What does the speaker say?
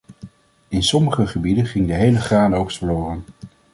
In sommige gebieden ging de hele graanoogst verloren.